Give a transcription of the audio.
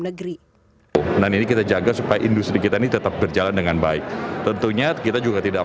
negeri dan ini kita jaga supaya industri kita ini tetap berjalan dengan baik tentunya kita juga tidak